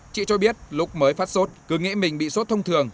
chị cho biết lúc mới phát sốt cứ nghĩ mình bị sốt thông thường